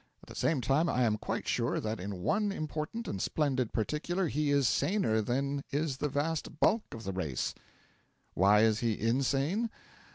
At the same time, I am quite sure that in one important and splendid particular he is saner than is the vast bulk of the race. Why is he insane?